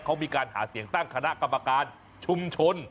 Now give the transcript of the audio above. เขามีการหาเสียงตั้งคณะกรรมการชุมชน